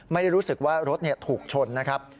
ไม่ได้รู้สึกว่ารถถูกชนนะครับ